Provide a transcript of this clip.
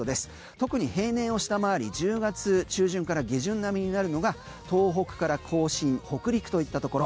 特に平年を下回り１０月中旬から下旬並みになるのが東北から甲信、北陸といったところ。